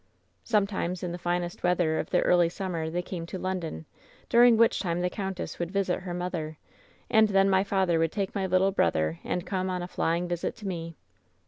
Sometimes in the finest weather of the early sum mer they came to London, during which time the count ess would visit her mother, and then my father would take my little brother and come on a flying visit to me.